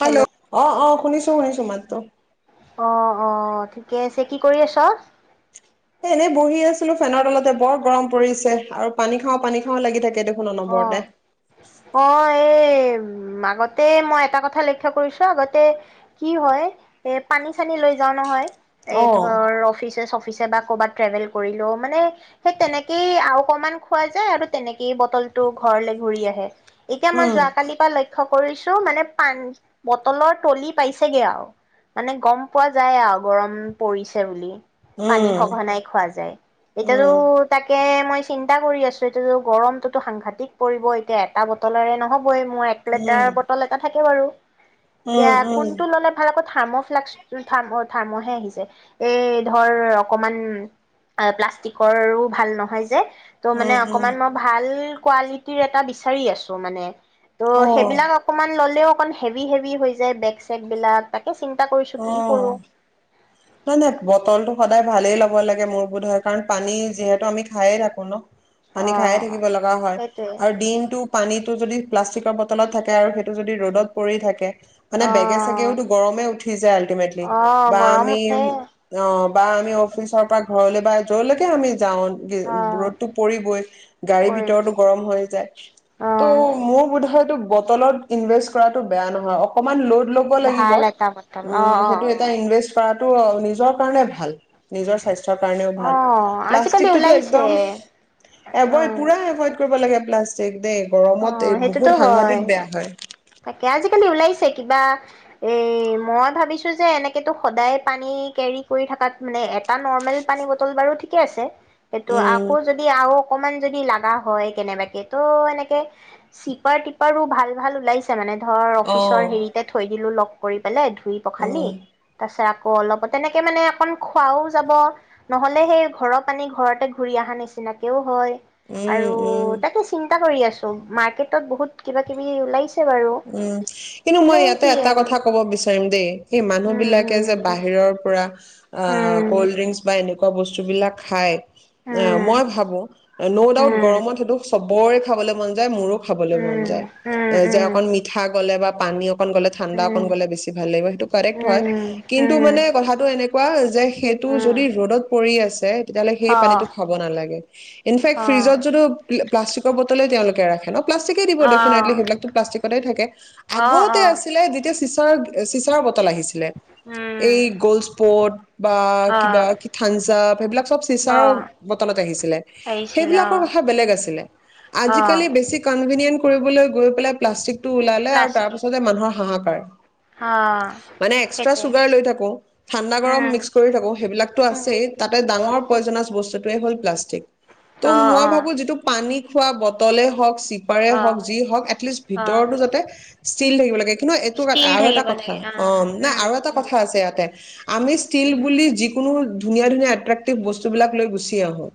Hello অ অ শুনিছো শুনিছো মাতো ত অ অ ঠিকে আছে কি কৰি আছ এ এনেই বহি আছিলো ফেনৰ তলতে বৰ গৰম পৰিছে আৰু পানী খাও পানী খাও লাগি থাকে এই অ অ এই উ আগতে মই এটা কথা লক্ষ্য কৰিছো আগতে কি হয় এ পানী চানী লৈ যাও নহয় এই অ ধৰ অফিচ চফিচে অফিচ বা ক'ৰবাত ট্ৰেভেল কৰিলো মানে সেই তেনেকেই আৰু অকমান খোৱা যায় আৰু তেনেকেই বটল টো ঘৰলৈ ঘূৰি আহে এতিয়া মই উম যোৱাকালিৰ পৰা লক্ষ্য কৰিছো মানে পানী বটলৰ তলি পাইছেগে আৰু মানে গম পোৱা যায় আৰু গৰম পৰিছে বুলি পানী উম সঘনাই খোৱা যায় এতিয়াতো উম তাকে মই চিন্তা কৰি আছো এইটো গৰম টো সাংঘাতিক পৰিব এতিয়া এটা বটলেৰে নহওক মোৰ এক উম লিটাৰ বটল এটা থাকে বাৰু উম এতিয়া উম কোনটো ললে ভাল হ'ব থাৰ্ম ফ্লাক্স থ থাৰ্মহে আহিছে এই ধৰ অকমান প্লাষ্টিকৰো ভাল নহয় যে ত' মানে উম উম অকমান মই ভাল কাৱালিটিৰ এটা বিচাৰি আছো মানে, ত' সেইবিলাক অ অকমান ললেও, এখন হেভি হেভি হৈ যায় বেগ চেকব বিলাক তাক চিন্তা কৰিছো কি অ কৰোঁ। নাই নাই বটলটো সদায় ভালেই ল'ব লাগে মোৰ বোধয় হয় কাৰণ পানী যিহেতু আমি খায়ে থাকো ন'। অ পানী খাইে থাকিব লগা হয় সেইটোৱে আৰু দিনটো পানীত টো যদি প্লাষ্টিকৰ বটলত থাকে আৰু সেইটো যদি ৰ'দত পৰি থাকে মানে বেগে অ চেগেওতো গৰমে উঠি যায় আল্টিমেটলি অ' বা গৰম আমি উঠে অ', বা আমি অফিচৰ পৰা ঘৰলৈ বা য'ৰ লৈকে আমি যাওঁ অ' ৰ'দতটো পৰিবই গাড়ীৰ পৰিব ভিতৰতো গৰম হৈ যায় ত' অ' মোৰ বোধয়টো বটলত ইনভেষ্ট কৰাটো বেয়া নহয় অকণমান লোড ল'ব লাগিব ভাল এটা বটল উম, অ' অ' এটা ইনভেস্ট। কৰাটো নিজৰ কাৰণে ভাল। ভাল নিজৰ স্বাস্থ্য কাৰণেওঁ অ' ভাল অ' আজিকালি প্লাষ্টিকটোতো ওলাইছে একদম এভইড অ' পোৰা এভইড কৰিব লাগে। প্লাষ্টিক দে, অ', সেইটোতো হয়, তাকে আজিকালি ওলাইছে কিবা এই মই ভাবিছোঁ যে এনেকেতো সদায় পানী কেৰি কৰি থকাত মানে এটা নৰ্মেল পানী বটল বাৰু ঠিকে আছে সেইটো উম আকৌ যদি আৰু অকমান যদি লাগা হয় কেনেবাকে তো এনে তে চিপাৰ টিপাৰো ভাল ভাল ওলাইছে মানে। ধৰ অ অফিচৰ হেৰিতে থৈ দিলোঁ লগ কৰি পেলাই ধুই পখালি উম তাৰ পিছত ও অলপ তেনেকে মানে অকণ খোৱাওঁ যাব নহ'লে সেই ঘৰৰ পানী ঘৰতে ঘূৰি অহা নিচিনাকেও হয়। আৰু উম উম তাকে চিন তে কৰি আছোঁ। ত' মাৰ্কেটত বহুত কিবা কিবি ওলাইছে। বাৰু উম, কিন্তু মই এনেই ইয়াতে কি এটা আৰু কথা কব বিচাৰিম দেই। সেই মানুহ বিলাকে উম যে বাহিৰৰ পৰা আহ উম কল্ড ড্ৰিংকচ বা এনেকুৱা বস্তুবিলাক খায়। উম অ উম মই ভাবো ন' উম ডাউট উম গৰমত সেইটো চব বৰে খাবলৈ মন যায় মোৰো খাবলৈ মন যায় এ উম উম যে উম অকণ মিঠা গ'লে বা পানী অকণ গলে ঠাণ্ডা অকণ গলে বেছি ভাল লাগ সেইটো কৰেক্ট হয়, উম কিন্তু উম মানে কথাটো এ কোৱা যে সেইটো উম যদি ৰ'দত পৰি আছে তেতিয়াহ'লে সেই অ পানীটো খাব নালাগে, ইনফেক্ট অ ফ্ৰিজত যটো প্লাষ্টিকৰ তেওঁলোকে ৰাখে ন' প্লাষ্টিকেই দিব ন' অ ডেফিনেট্লি থাকে অ অ আগতে আছিলে যেতি চিচাৰ চিচাৰ ব টা লাগিছিলে, উম এই গ'লস্পোৰ্ট বা অ কিবা কি ঠামচ্ আপ এইবিলাক চব অ চিচাৰ বটলত আহিছিলে, আহিছিল অ সেইবিলাকৰ বেলেগ আছিলে, অ আজিকালি বেছি ক'নভিনিয়েন্ট কৰিবলৈ গৈ পেলাই প্লষ্টিক টো ওলালে আৰু তাৰ প্লাষ্টিক পাছতে মানুহৰ হাহাকাৰ অ মানে এক্সট্ৰা সেইটোৱে চুগাৰ লৈ থাকো ঠাণ্ডা গৰম উম মিক্স কৰি থাকো সেইবিলাকতো উম আছেই তাতে ডাঙৰ পয়জছ বস্তু সেইটোৱে হ'ল প্লাষ্ট [inaudible] অ ত' মই অ ভাবো যিটো পানীত খোৱা বটলেই হক্স। ইপাৰে অ হওক যি হওক এটলিষ্ট অ ভিতৰতো যাতে ষ্টীল থাকিব লাগে, কিন্তু এইটোত ষ্টীল আৰু এটা থাকিব কথা লাগে অ, নাই উম আৰু এটা উম কথা আছে ইয়াতে, আমি ষ্টীল উম বুলি যিকো কোনো ধুনীয়া ধুনীয়া এত্রেক্টিভ বস্তুবিলাক লৈ গুচি আহো।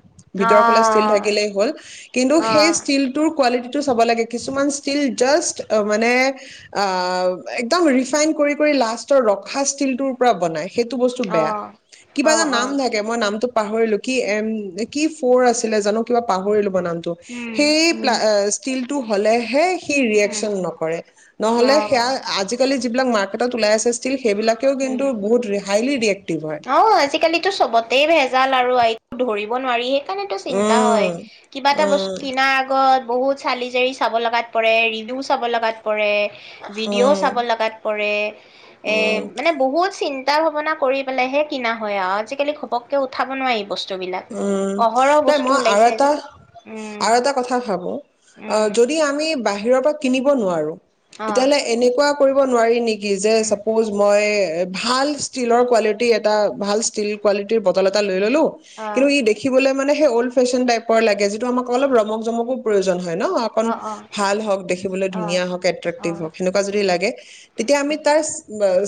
অ ভিতৰৰ ফালে ষ্টীল থাকিলেই হ'ল, কিন্তু অ সেই ষ্টীলটোৰ কোৱালিটি টো চাব লাগে, কিছুমান ষ্টীল জাষ্ট মানে, আ একদম ৰিফাইন কৰি কৰি লাষ্টৰ ৰখা ষ্টীলটোৰ পৰা বনায়। সেইটো বস্তু বেয়া, অ', কিবা এটা অ', নাম অ', থাকে মই নামটো পাহৰিলো, কি এম কি ফ'ৰ আছিলে জানো কিবা পাহৰিলো। [unintelligible] উম, সেই প্লা উম, - স ষ্টীলটো হলেহে সি ৰিয়েক্সন নকৰে, নহলে সেয়া অ', আজিকালি যিবিলাক মাৰ্কেটত ওলাই আছে। আছিল সেইবিলাকও উম। কিন্তু বহুত ৰেহাইলে দিয়ে। অ' আজিকালিতো চবতে ভেজাল ভেজাল আৰু একো ধৰিব নোৱাৰি। সেইকাৰণেইটো চিন্তা হয় উম কিবা এটা বস্তু উম কিনাৰ আগত বহুত চালি জাৰি চাব লগাত পৰে ৰেনুয়ো চাব লগাত পৰে। ভিডিঅ' চাব উম লগাত পৰে এ উম মানে বহুত চিন্তা। চিন্তা ভাৱনা কৰি পালেহে কিনা হয় আৰু আজিকালি ঘপককে উঠাব নোৱাৰি বস্তু বস্তুবিলাক উম অহৰহ দেই মই আৰু ওলাইছে যে। এটা উম, আৰু এটা কথা ভাবো অ উম, যদি আমি বাহিৰ বাহিৰৰ পৰা কিনিব নোৱাৰোঁ। অ', তেতিয়াহলে এনেকুৱা, কৰিব নোৱাৰি নেকি? যে উম, চাপোজ মই, ভাল ষ্টিলৰ কোৱালিটি এটা ভাল ষ্টিল কোৱালিটিৰ বটল এটা লৈ ললো কিন্তু অ', ই দেখিবলৈ, মানে সেই অল্ড ফেশ্বন টাইপৰ লাগে যিটো আমাক অলপ ৰমক জমকো প্ৰয়োজন হয়। হয় ন অকন অ', অ', ভাল হওক দেখিবলৈ অ'। ধুনীয়া হওক এট্ৰেক্টিভ অ', হওক সেনেকুৱা যদি উম, লাগে তেতিয়া আমি তাৰ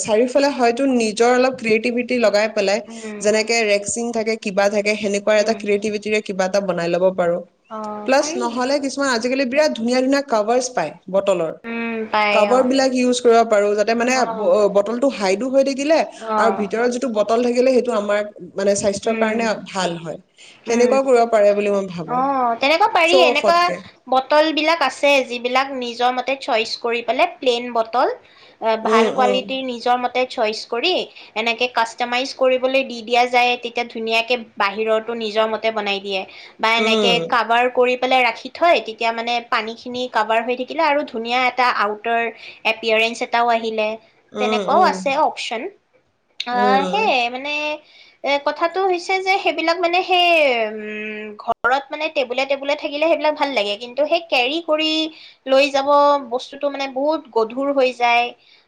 চাৰিওফালে হয়তো নিজৰ অলপ ক্ৰিয়েটিভিটি লগাই, পেলে উম, যেনেকে ৰেকচিং থাকে। কিবাযে সেনেকুৱা এটা উম, ক্ৰিয়েটিভিটিৰে কিবা এটা বনাই ল'ব পাৰো। অ', প্লাচ পাৰি। নহলে কিছুমান আজিকালি বিৰাট ধুনীয়া ধুনীয়া কাভাৰচ পায় বটলৰ। উম, পাই কভাৰ অ', বিলাক ইউজ কৰিব পাৰো যাতে মানে অ', বটলটোৰ হাইটো হৈ থাকিলে অ', ভিতৰৰ যিটো বটল কেলে সেইটো আমাৰ মানে স্বাস্থ্যৰ উম, কাৰণে ভাল হয় উম সেনেকুৱা কৰিব পাৰে বুলি মই ভাবো অ তেনেকুৱা পাৰি শ্ব' এনেকুৱা অফতকে বটল বিলাক আছে যিবিলাক নিজৰ মতে তাইক চইচ কৰি পেলাই প্লেইন বটল এ ভাল উম উম কোৱালিটি নিজৰ মতে চইচ কৰি এনেকে কাষ্টমাইজ কৰিবলে দি দিয়া যায়। একে ধুনীয়াকে বাহিৰতো নিজৰ মতে বনাই দিয়ে বা এনেকে উম কাবাৰ কৰি পেলাই ৰাখি থয় তেতিয়া মানে পানীখিনি কভাৰ হৈ থাকিলে আৰু ধুনীয়া এটা আউটাৰ এপিয়াৰেঞ্চ এটাও আহিলে উম তেনেকুৱাও উম আছে অপচন আহ সেই উম মানে এক কথাটো হৈছে যে সেইবিলাক মানে সেই উম ঘৰত মানে টেবুলে টেবুলে থাকিলে সেইবিলাক ভাল লাগে কিন্তু সেই কেৰি কৰি লৈ যাব বস্তুতটো মানে বহুত গধুৰ হৈ যায়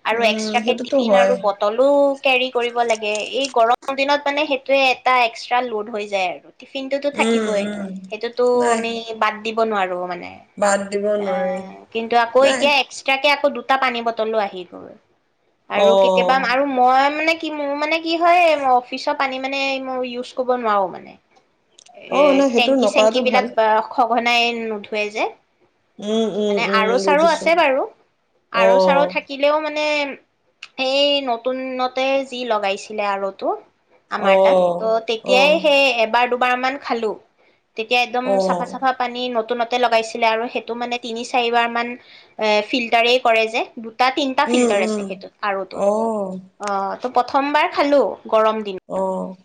আৰু উম এস্ক্ট্ৰকে সেইটোতো টিফিন হয় আৰু বটলো কেৰি কৰিব লাগে এই গৰম ম দিনত মানে সে ইটো এটা এক্সটা লোড হৈ যায় আৰু টিফিন টোতো উম থাকিবই উম সেইটোতো নাই আমি বাদ দি নোৱাৰো মানে বাদ দিব নোৱাৰি কিন্তু আকৌ নাই এতিয়া এক্সটা কে আকৌ দু টা পানী বটলো আহি গ'ল অ আৰু কেতিয়াবা আৰু মই মানে কি মোৰ মানে কি হয় অফিচৰ পানী মানে মই ইউজ কৰিব নোৱাৰো মানে এ অ নাই সেইটো টেংকি চেংকি নকৰাটো ভাল বিলাক বা হক অনাই নোধোৱে যে উম উম মানে উম আৰ'চাৰু বুজিছো আছে বাৰু অ আৰ' চাৰু থাকিলেও মানে মানে সেই নতুনতে যি লগাইছিলে আৰ'তো অ আমাৰ তাত অ তেতিয়াই অ সেই এবাৰ বাৰমান খালোঁ তেতিয়া একদম চাফা অ', চাফা পানী নতুনত লগাইছিলে আৰু সেইটো মানে তিনি চাৰিবাৰ মান এ ফিল্টাৰেই কৰে যে। তাত তিনিটা উম, ফিল্টাৰ আছে উম, সেইটোত আৰুটো অ', অ ত' প্ৰথমবাৰ খালো গৰম অ'।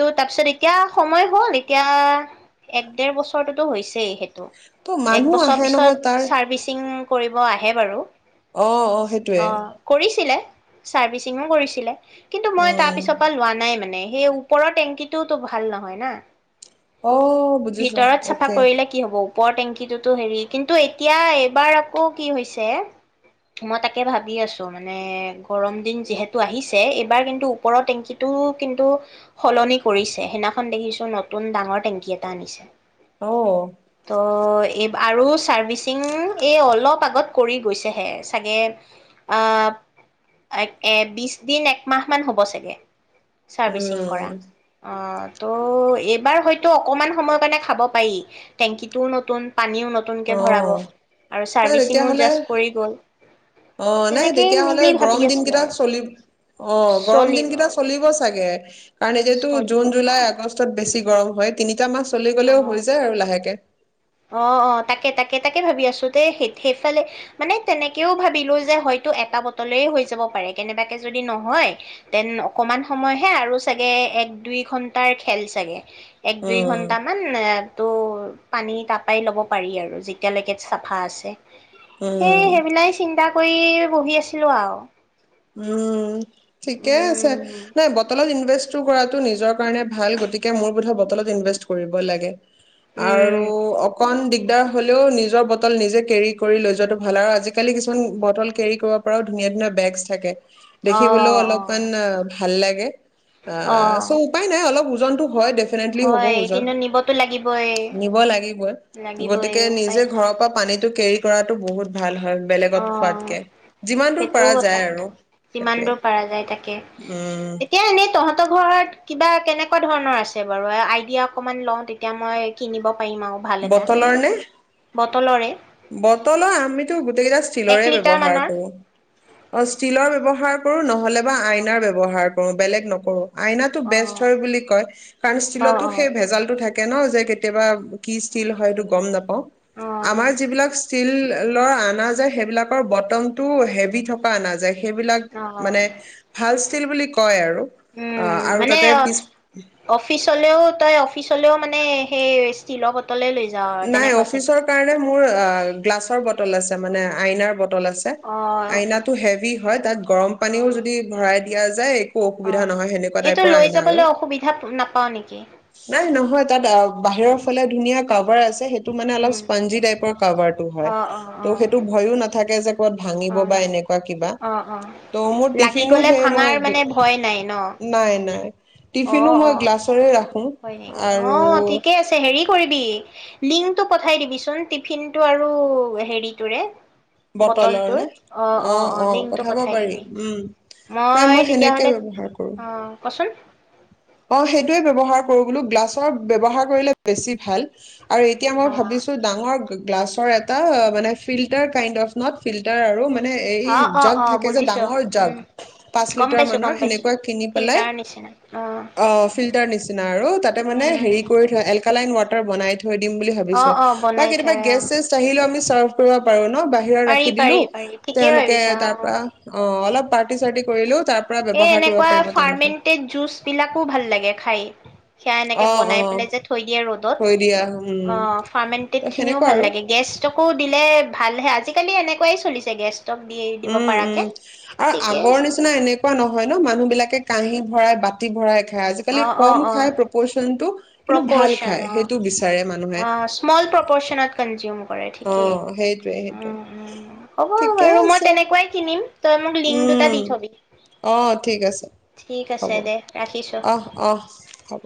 টো তাৰপিছত এতিয়া সময় হ'ল এতিয়া এক দেৰ বছৰটোতো হৈছেই সেইটো ত' এক মানুহ বছৰ আহে পিছত নহয় তাৰ। চাৰ্ভিচিং কৰিব আহে বাৰু। অ', অ সেইটোৱে কৰিছিলে। চাৰ্ভিচিঙো কৰিছিলে। কিন্তু মই তাৰ উম, পিছৰ পৰা লোৱা নাই। নাই মানে সেই ওপৰৰ টেংকিটোতো ভাল নহয় না। অ', বুজিছো ভিতৰত চাফা অকে কৰিলে কি হব? ওপৰৰ টেঙকিটোতো হেৰি কিন্তু এতিয়া এইবাৰ আকৌ কি হৈছে মই তাকে ভাবি আছো মানে গৰম দিন যিহেতু আহিছে এইবাৰ কিন্তু ওপৰৰ টেংকিত টো কিন্তু সলনি কৰিছে, সেইদিখন দেখিছো নতুন ডাঙৰ টেংকি এটা আনিছে। অ', ত এই আৰু চাৰ্ভিচিং এই অলপ আগত কৰি গৈছেহে, চাগে আ এ বিশ দিন একমাহ মান হ'ব চাগে। ছাৰ্ভিচিং কৰা উম, অহ। ত' এইবাৰ হয়তো অকণমান সময় মানে খাব পাৰি টেংকিটোও নতুন। পানীও নতুনকে ভৰাব অ', আৰু নাই ছাৰ্ভিচিঙো তেতিয়াহ'লে জাষ্ট কৰি গ'ল। অ', নাই তেনেকেই তেতিয়াহলে মিলি ভাবি গৰম দিন আছিলোঁ কেইটা আৰু। চলি অ', গৰম চলিব দিন কেইটা চলি চলিব চাগে কাৰণেতটো চলিব জুন জুলাই আগষ্ট বেছি গৰম হয় তিনি টা মাহ চলি অ গ'লেও হৈ যায় আৰু লাহেকে। অ', অ', তাকে তাকে তাকে ভাবি আছ আছোতে সে সেইফালে মানে তেনেকেও ভাবিলো যে হয়তো এটা বটলে হৈ যাব পাৰে কেনেবাকে যদি নহয় তেন অকমান সময়হে আৰু চাগে এক দুই ঘন্টাৰ খেল চাগে। এক দুই উম, ঘন্টামান এ ত' পানী তাৰপৰাই ল'ব পাৰি আৰু যেতিয়ালৈকে চাফা আছে। সেই উম। সেইবিলাই চিন্তা কৰি বহি আছিলো আও। উম। ঠিকে আছে নাই বটলত ইনভেষ্ট টো কৰাটো নিজেৰ কাৰণে ভাল গতিকে মোৰ বোধয় বলত ইনভেস্ট কৰিব লাগে উম আৰু অকণ দি দিগদাৰ হ'লেও নিজৰ বটল নিজে কেৰি কৰি লৈ যোৱাটো ভাল আৰু আজিকালি কিছুমান বটল কেৰ কৰিব পৰাও ধুনীয়া ধুনীয়া বেগচ্ থাকে অ দেখিবলৈও অলপমান অ ভাল লাগে অ চ' উপায় নাই অলপ উ ওজনটো হয় দেখ দেফিনেন্টলী হ'ব হয় ওজন কিন্তু নিবতো লাগিবই নিব লাগিবই লাগিবই গতিকে উপায় নিজে নাই ঘৰৰ পৰা পানীটো কেৰি কৰাটো বহুত ভাল হয় বেলেগত অ', খোৱাতকে যিমান দূৰ সেইটোও পৰাৰ এটা যায় আৰু কথা। যিমান সেইটোৱে দূৰ পৰাৰ যায় তাকে। উম এতিয়া এনেই তহঁতৰ কিবা কেনেকুৱা ধৰণৰ আছে বাৰু আইডিয়া অকমান লও তেতিয়া মই কিনিব পাৰিম আৰু ভাল এটা বটলৰ নে বটলৰে বটলৰ আমিতো গোটেই কেইটা এক ষ্টীলৰে লিটাৰ ব্যৱহাৰে মানৰ। কৰো অ ষ্টীলৰ ব্যৱহাৰ কৰো নহয় 'লে বা আইনাৰ অ', ব্যৱহাৰ অ বেলেগ নকৰো আইনাতটো বেষ্ট অ', হয় বুলি কয় কাৰণ অ', ষ্টীলতো অ', সেই ভেজালটো থাকে তাকে ন যে কেতিয়াবা হয় ষ্টীল হয়টো গম নাপাওঁ অ', আমাৰ যিলাক ষ্টীল লৰ অনা যায় সেইবিলাকৰ বটম টো হেভি থকা অনা যায় সেইবিলাক অ', মানে ভাল ষ্টীল বুলি কয় আৰু উম, আৰু তাতে পিছ লেও তই অফিচলেও মানে সেই ষ্টীলৰ বটলে লৈ যাওঁ আৰু নাই তেনেকুৱা অফিচ চাগে। কাৰণে মোৰ গ্লাচৰ বটল বটল আছে মানে আইনাৰ বটল বটল আছে অ', আইনাটো হেভি হয় তাত গৰম পানীও অ', যদি ভৰাই দিয়া যায় একো অসুবিধা অ', নহয় তেনেকুৱা এইটো টাইপৰ লৈ আইনা আৰু যাবলৈ অসুবিধা নাপাওঁ নেকি? নাই নহয় তাত বাহিৰৰ ফালে ধুনীয়া কাপ আছে সেইটো টো মানে অলপ উম ইচ্পনজী টাইপৰ কভাৰটো হয় অ অ ত' অ সেইটো ভয়ো নাথাকে যে ভাঙিব অ বা এনেুৱা অ কিবা, তো মোৰ লাগি টিফিনো, গলে সেই মই ভাঙাৰ মানে ভয় নাই ন নাই নাই অ টিফিনো মই অ গ্লাছৰে ৰাখোঁ। হয় নেকি অ' ঠিকে আছে। হেৰি কৰিবি লিংকটো পঠাই দিবিচোন টিফিনটো আৰু হেৰিটোৰে। বটলৰ বটলটোৰ নে? অ', অ', লিংকটো পঠাব পঠাই পাৰি দিবি উম, নাই মই সেনেকেই ব্যৱহাৰ কৰোঁ। অ কচোন অ সেইটোৱে ব্যৱহাৰ কৰোঁ বোলো গ্লাছৰ ব্যৱহাৰ কৰিলে বেছি ভাল। আৰু এতিয়া মই অ ভাবিছোঁ ডাঙৰ গ্লাছৰ এটা মানে filter kind of not filter O O jug অ থাকে যে বুজিছো ডাঙৰ জাগ উম পাঁচ গম লিটাৰ পাইছো মানৰ গম পাইছো সেনেকুৱা কিনি পেলাই ফিল্টাৰ নিচিনা অ অ' ফিল্টাৰ নিচিনা আৰু তাতে মানে উম হেৰি কৰি থয় এলকেলাইন ৱাটাৰ বনাই থৈ দিম বুলি অ ভাবিছোঁ অ বা বনাই কেতিয়াবা থয় অ গেষ্ট চেষ্ট আহিলেও আমি [unintelligible] কৰিব পাৰো ন' বা হিৰা পাৰি ৰাখি পাৰি দিলোঁ, পাৰি ঠিকেই তেওঁলোকে ভাবিছা তাৰ অ পৰা অ অলপ পাৰ্টি চাৰ্টি কৰিলোঁ এই এনেকুৱা ফাৰ্মেন্টেড জুচ বিলাক খুব ভাল লাগে খাই। সেয়া এনেকে অ অ বনাই পেলাই যে থৈ দিয়ে ৰ'দত, থৈ দিয়া উম অ', ত ফাৰ্মেণ্টেড খিনিও সেনেকুৱা ভাল আৰু লাগে গেষ্টকো দিলে ভালহে আজিকালি এনেকুৱাই চলিছে গেছ ষ্টক দি দিব উম, পাৰাকে উম, আৰু ঠিকেই আগৰ নিচিনা এনেকুৱা নহ হয় ন মানুহ বিলাকে কাঁহি ভৰাই বাটতি ভৰাই খ আজিকালি কম খায় প্ৰপচন টো কিন্তু ভাল প্ৰপ'ৰ্শন স্ম'ল প্ৰপ'ৰ্শনত ক'ন্জ্যুম কৰে অ ঠিকেই সেইটোৱে সেইটোৱে হ'ব ঠিকে বাৰু মই আছে তেনেকুৱাই কিনিম, তই মোক লিংক দুটা উম দি থবি, অ ঠিক আছে ঠিক হ'ব আছে দে ৰাখিছোঁ। অহ অহ হ'ব